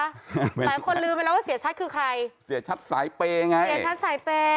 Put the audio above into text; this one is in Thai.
หลายคนลืมไปแล้วว่าเสียชัดคือใครเสียชัดสายเปย์ไงเสียชัดสายเปย์